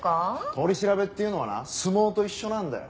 取り調べっていうのはな相撲と一緒なんだよ。